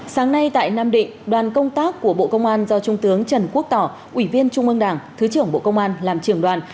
sáng nay tại nam định đoàn công tác của bộ công an do trung tướng trần quốc tỏ ủy viên trung ương đảng thứ trưởng bộ công an làm trưởng đoàn